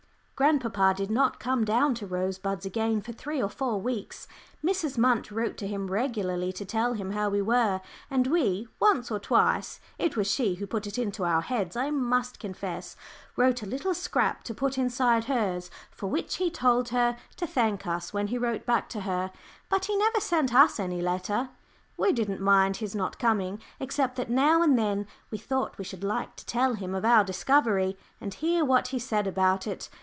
Grandpapa did not come down to Rosebuds again for three or four weeks. Mrs. Munt wrote to him regularly to tell him how we were, and we, once or twice it was she who put it in our heads, I must confess wrote a little scrap to put inside hers, for which he told her to thank us when he wrote back to her, but he never sent us any letter. We didn't mind his not coming, except that now and then we thought we should like to tell him of our discovery, and hear what he said about it.